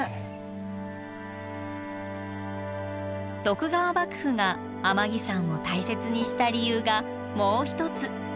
徳川幕府が天城山を大切にした理由がもう一つ。